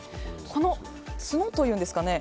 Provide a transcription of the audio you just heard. この角というんですかね。